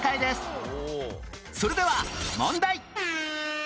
それでは問題